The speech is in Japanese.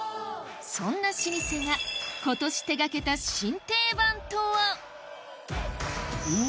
そんな老舗が今年手掛けた新定番とは？